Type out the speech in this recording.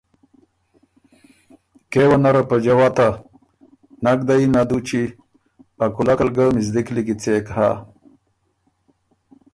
کېونه په جوَته، نک ده یِن ا دُوچی، ا کُولک ال ګه مِزدِک لیکی څېک هۀ“